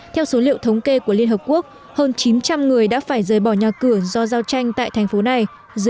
theo số liệu thống kê của liên hợp quốc hơn chín trăm linh người đã phải rời bỏ nhà cửa do giao tranh tại thành phố này